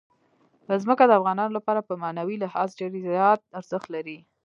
ځمکه د افغانانو لپاره په معنوي لحاظ ډېر زیات ارزښت لري.